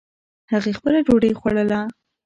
هغې خپله ډوډۍ خوړله